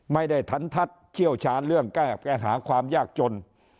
ไม่ได้ทันทัศน์เชี่ยวชาญเรื่องแก้หาความยากจน